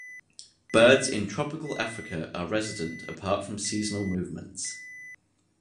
Birds in tropical Africa are resident apart from seasonal movements.